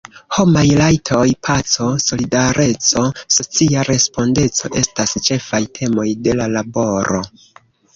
Homaj rajtoj, paco, solidareco, socia respondeco estas ĉefaj temoj de la laboro.